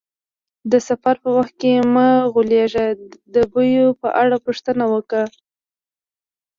د سفر په وخت کې مه غولیږه، د بیو په اړه پوښتنه وکړه.